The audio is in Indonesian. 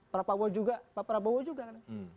prabowo juga pak prabowo juga kan